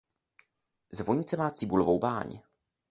Zvonice má cibulovou báň.